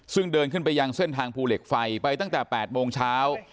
ซึ่งเดินขึ้นไปยังเส้นทางภูเหล็กไฟไปตั้งแต่๘โมงเช้า